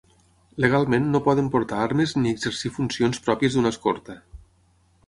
Legalment no poden portar armes ni exercir funcions pròpies d'un escorta.